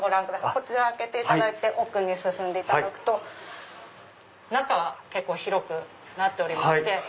こちら開けていただいて奥に進んでいただくと中は結構広くなっておりまして。